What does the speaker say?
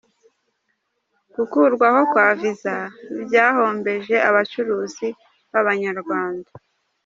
Gukurwaho kwa Viza byahombeje abacuruzi b’Abanyarwanda.